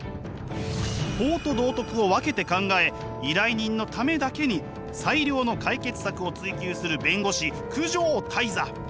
法と道徳を分けて考え依頼人のためだけに最良の解決策を追求する弁護士九条間人。